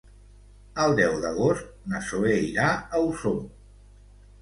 El deu d'agost na Zoè irà a Osor.